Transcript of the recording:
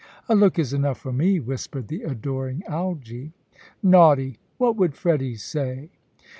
"A look is enough for me," whispered the adoring Algy. "Naughty! What would Freddy say?"